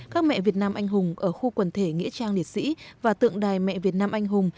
các mẹ việt nam anh hùng ở khu quần thể nghĩa trang liệt sĩ và tượng đài mẹ việt nam anh hùng